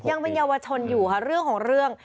ยังเป็นเยาวชนอยู่ค่ะเรื่องของเรื่อง